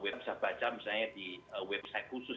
well bisa baca misalnya di website khusus